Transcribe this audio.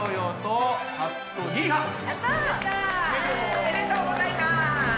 おめでとうございます。